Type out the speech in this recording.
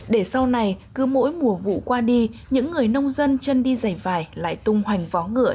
để sau này cứ mỗi mùa vụ qua đi những người nông dân chân đi dày vải lại tung hoành vó ngựa